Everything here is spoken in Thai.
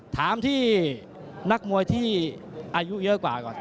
ถามที่นักมวยที่อายุเยอะกว่าก่อน